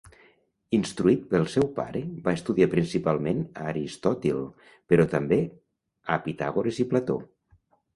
Instruït pel seu pare, va estudiar principalment a Aristòtil, però també a Pitàgores i Plató.